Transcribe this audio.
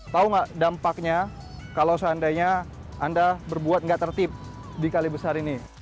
tahu nggak dampaknya kalau seandainya anda berbuat nggak tertib di kali besar ini